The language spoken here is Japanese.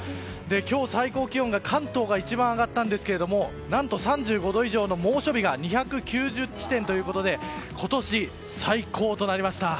今日、最高気温が関東が一番上がったんですけども何と３５度以上の猛暑日が２９０地点ということで今年最高となりました。